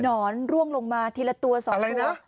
นอนร่วงลงมาทีละตัว๒ตัว